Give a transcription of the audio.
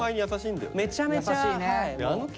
めちゃめちゃはい。